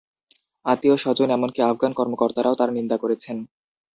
আত্মীয় স্বজন, এমনকি আফগান কর্মকর্তারাও তাঁর নিন্দা করেছেন।